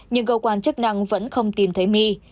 nhưng cầu quản chức năng vẫn không tìm thấy my